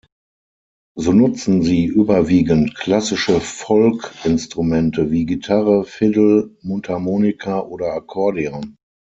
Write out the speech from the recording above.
So nutzen sie überwiegend klassische Folk-Instrumente wie Gitarre, Fiddle, Mundharmonika oder Akkordeon.